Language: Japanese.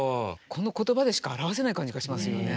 この言葉でしか表せない感じがしますよね。